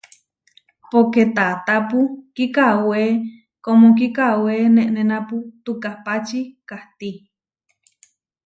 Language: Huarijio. Poké taatápu kikawé kómo kikawé nenénapu, tukápači kahtí.